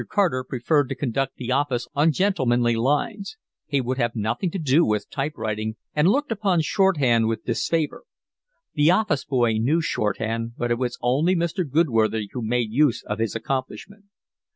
Carter preferred to conduct the office on gentlemanly lines; he would have nothing to do with typewriting and looked upon shorthand with disfavour: the office boy knew shorthand, but it was only Mr. Goodworthy who made use of his accomplishment.